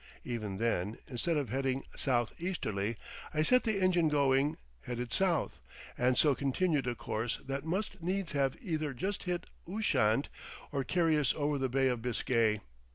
Even then, instead of heading southeasterly, I set the engine going, headed south, and so continued a course that must needs have either just hit Ushant, or carry us over the Bay of Biscay.